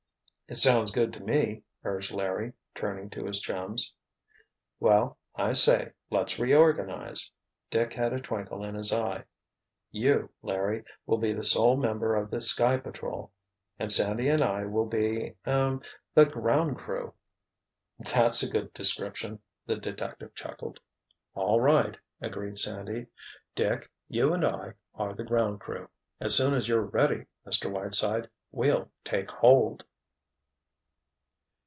"It sounds good to me!" urged Larry, turning to his chums. "Well, I say, let's reorganize," Dick had a twinkle in his eye. "You, Larry, will be the sole member of the Sky Patrol—and Sandy and I will be—er—the 'ground crew'!" "That's a good description," the detective chuckled. "All right," agreed Sandy. "Dick, you and I are the ground crew. As soon as you're ready, Mr. Whiteside, we'll take hold!"